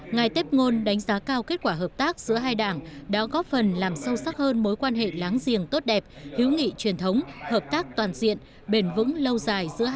ngài tép ngôn đánh giá cao kết quả hợp tác giữa hai đảng đã góp phần làm sâu sắc hơn mối quan hệ láng giềng tốt đẹp hữu nghị truyền thống hợp tác toàn diện bền vững lâu dài giữa hai